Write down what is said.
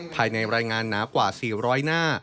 ภายในรายงานหนากว่า๔๐๐หน้า